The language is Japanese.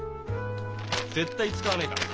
絶対使わねえから。